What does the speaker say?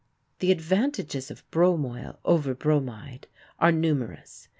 The advantages of bromoil over bromide are numerous.